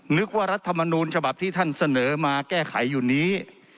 นึกว่ารัฐมนูลฉบับที่ท่านเสนอมาแก้ไขอยู่นี้